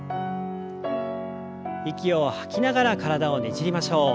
息を吐きながら体をねじりましょう。